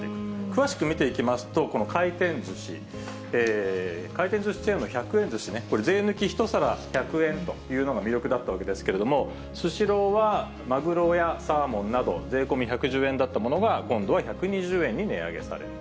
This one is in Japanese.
詳しく見ていきますと、回転ずし、回転ずしチェーンの１００円ずしね、税抜き１皿１００円というのが魅力だったわけですけれども、スシローはマグロやサーモンなど税込み１１０円だったものが、今度は１２０円に値上げされる。